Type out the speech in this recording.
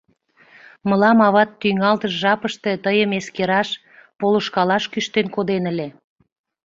— Мылам ават тӱҥалтыш жапыште тыйым эскераш, полышкалаш кӱштен коден ыле.